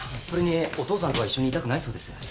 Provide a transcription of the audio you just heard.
それにお父さんとは一緒にいたくないそうです。